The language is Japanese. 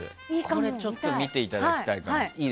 これ、ちょっと見ていただきたい。